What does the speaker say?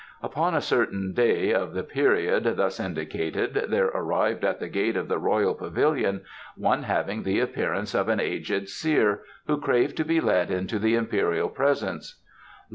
Upon a certain day of the period thus indicated there arrived at the gate of the royal pavilion one having the appearance of an aged seer, who craved to be led into the Imperial Presence.